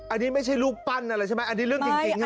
อันนี้ไม่ใช่รูปปั้นอะไรใช่ไหมอันนี้เรื่องจริงฮะ